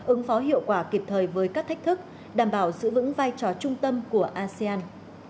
ứng phó hiệu quả kịp thời với các thách thức đảm bảo giữ vững vai trò trung tâm của asean